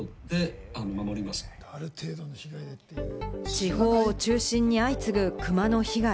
地方を中心に相次ぐクマの被害。